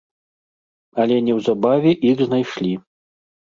Але неўзабаве іх знайшлі.